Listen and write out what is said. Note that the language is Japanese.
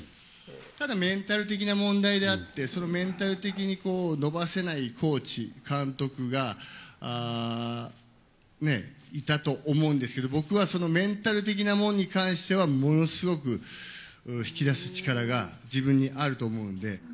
ただ、メンタル的な問題であって、そのメンタル的に伸ばせないコーチ、監督がいたと思うんですけど、僕はそのメンタル的なもんに関しては、ものすごく引き出す力が自分にあると思うんで。